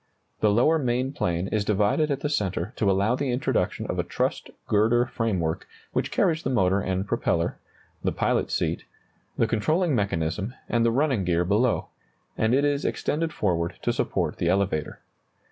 The lower main plane is divided at the centre to allow the introduction of a trussed girder framework which carries the motor and propeller, the pilot's seat, the controlling mechanism, and the running gear below; and it is extended forward to support the elevator.